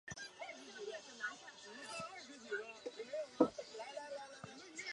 经常与友好学校互换交换生。